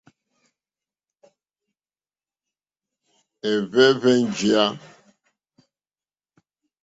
Ɛ́hwɛ́ǃhwɛ́ njìyá.